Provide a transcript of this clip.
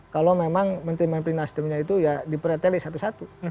kalau memang menteri manipuli nasional itu ya diperateli satu satu